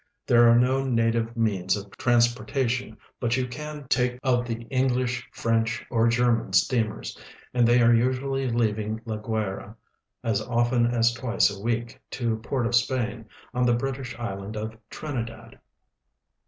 'I'here are no native means of transportation, but you can 54 VENEZUELA : take any of the English, French, or German steamers, and they are usually leaving La Guayra as often as twice a week to Port of Spain, on the British island of Trinidad.